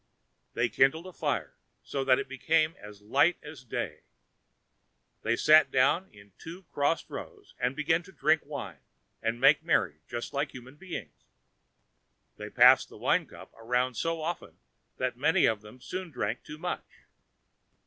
They kindled a fire, so that it became as light as day. They sat down in two cross rows, and began to drink wine and make merry just like human beings. They passed the wine cup around so often that many of them soon drank too much.